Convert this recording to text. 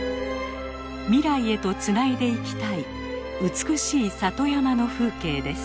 未来へとつないでいきたい美しい里山の風景です。